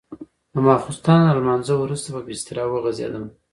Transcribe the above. د ماخستن له لمانځه وروسته په بستره وغځېدم.